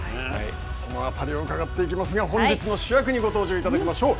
そのあたりを伺っていきますが本日の主役にご登場いただきましょう。